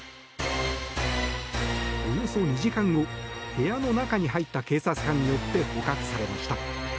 およそ２時間後部屋の中に入った警察官によって捕獲されました。